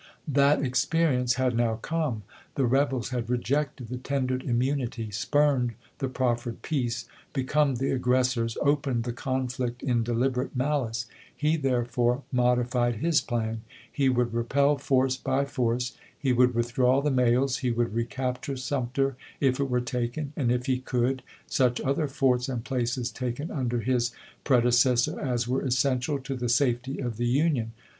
That experience had now come. The rebels had rejected the tendered immunity, spurned the proffered peace, become the aggressors, opened the conflict in deliberate malice. He there fore modified his plan. He would repel force by force. He would withdraw the mails. He would recapture Sumter if it were taken, and, if he could, such other forts and places taken under his prede cessor as were essential to the safety of the Union.